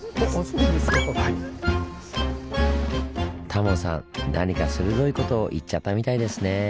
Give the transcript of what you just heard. タモさん何か鋭いことを言っちゃったみたいですねぇ。